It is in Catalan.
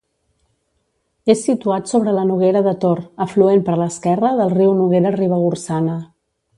És situat sobre la Noguera de Tor, afluent per l'esquerra del riu Noguera Ribagorçana.